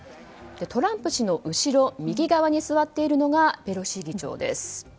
トランプ氏の後ろ右側に座っているのがペロシ議長です。